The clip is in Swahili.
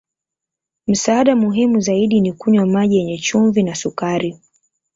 Msaada muhimu zaidi ni kunywa maji yenye chumvi na sukari.